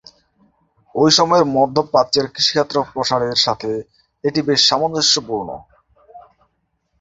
ঐ সময়েই মধ্য প্রাচ্যের কৃষিক্ষেত্র প্রসারের সাথে এটি বেশ সামঞ্জস্যপূর্ণ।